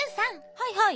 はいはい。